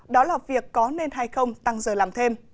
đó là việc có nên hay không tăng giờ làm thêm